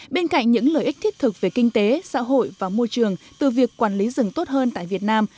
bên cạnh những lợi ích thiết thực về kinh tế xã hội và môi trường từ việc quản lý rừng tốt hơn tại việt nam